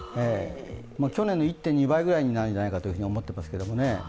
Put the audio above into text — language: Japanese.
去年の１．２倍ぐらいになるんじゃないかと思っていますけどね。